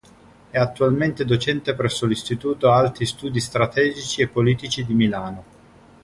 È attualmente docente presso l'Istituto Alti Studi Strategici e Politici di Milano.